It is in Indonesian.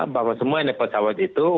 bahwa semua naik pesawat itu